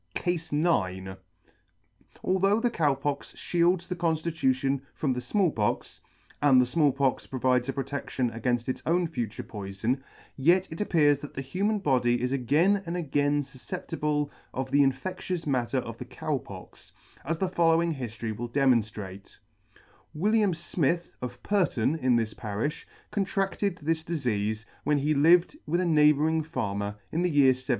ALTHOUGH the Cow Pox fhields the conflitution from the Small Pox, and the Small Pox proves a protection againft its own future poifon, yet it appears that the human body is again and again fufceptible of the infectious matter of the Cow Pox, as the following hiftory will demonftrate : William Smith, of Pyrton in this parifh, contracted this difeafe when he lived with a neighbouring Farmer in the year 1780.